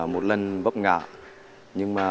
một lần bấp ngã